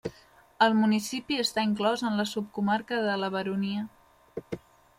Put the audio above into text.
El municipi està inclòs en la subcomarca de La Baronia.